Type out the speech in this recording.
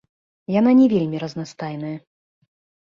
Яна не вельмі разнастайная.